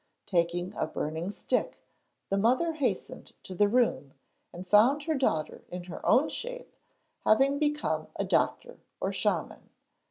Taking a burning stick, the mother hastened to the room, and found her daughter in her own shape, having become a doctor or shaman.